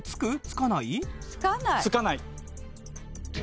つかない。